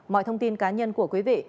mọi thông tin cá nhân của quý vị